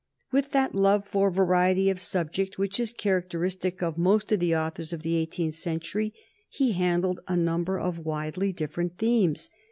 With that love for variety of subject which is characteristic of most of the authors of the eighteenth century, he handled a number of widely differing themes.